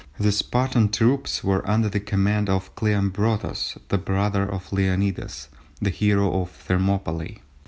The Spartan troops were under the command of Cleombrotus, the brother of Leonidas, the hero of Thermopylæ.